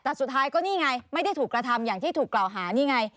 แต่สุดท้ายก็นี่ไงไม่ได้ถูกกระทำอย่างที่ถูกกล่าวหานี่ไง